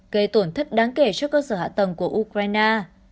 gây tổn thất đáng kể cho cơ sở hạ tầng của ukraine